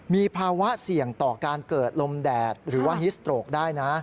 มีภาวะเสี่ยงต่อการเกิดลมแดดหรือว่าฮิสโตรกได้นะ